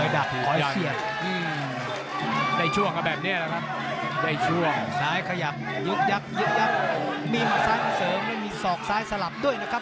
ได้ช่วงแบบแบบเนี้ยแหละครับ